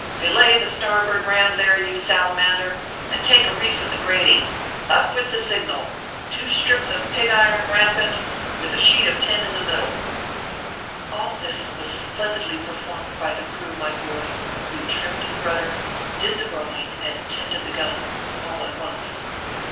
Belay the starboard ram there, you salamander, and take a reef in the grating. Up with the signal two strips of pig iron rampant, with a sheet of tin in the middle/ All this was splendidly performed by the crew, my boy, who trimmed the rudder, did the rowing, and tended the gun all at once.